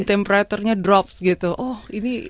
temperaturnya drop gitu oh ini